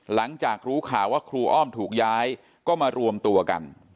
หลังจากรู้ข่าวว่าครูอ้อมถูกย้ายก็มารวมตัวกัน